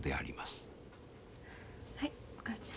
はあお母ちゃん